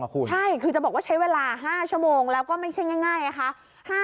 ใช่คือจะบอกว่าใช้เวลา๕ชั่วโมงแล้วก็ไม่ใช่ง่ายนะคะ